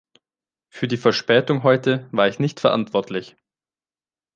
Für die Verspätung heute war ich nicht verantwortlich.